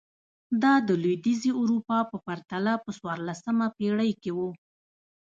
دا د لوېدیځې اروپا په پرتله په څوارلسمه پېړۍ کې و.